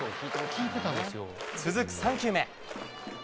続く３球目。